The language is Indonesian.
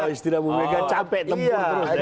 kalau istri amu mega capek tempur terus